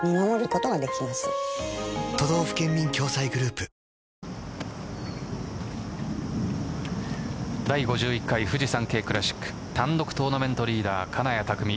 プロ、戸張さんには第５１回フジサンケイクラシック単独トーナメントリーダー金谷拓実。